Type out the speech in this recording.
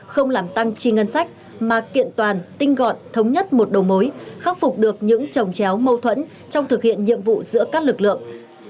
không làm tăng chi ngân sách mà kiện toàn tinh gọn thống nhất một đầu mối khắc phục được những trồng chéo mâu thuẫn trong thực hiện nhiệm vụ giữa các lực lượng